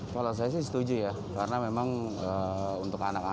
kalau saya sih setuju ya karena memang untuk anak anak